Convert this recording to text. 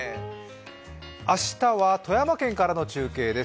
明日は富山県からの中継です。